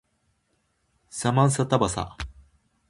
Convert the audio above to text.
サマンサタバサ